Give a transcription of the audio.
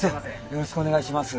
よろしくお願いします。